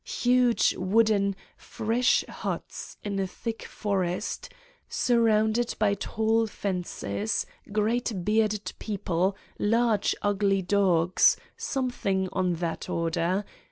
Huge, wooden, fresh huts in a thick forest, sur rounded by tall fences; great bearded people, large ugly dogs something on that order.